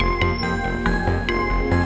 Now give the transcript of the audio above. aku mau ke sana